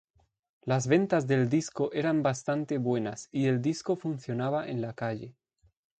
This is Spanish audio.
Las ventas del disco eran bastante buenas y el disco funcionaba en la calle.